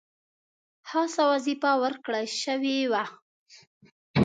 خاصه وظیفه ورکړه شوې وه.